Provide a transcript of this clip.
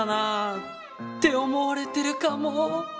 って思われてるかも。